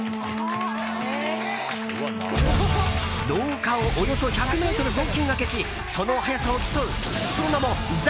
廊下をおよそ１００ｍぞうきんがけしその速さを競うその名もザ！